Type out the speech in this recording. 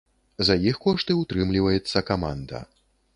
За іх кошт і ўтрымліваецца каманда.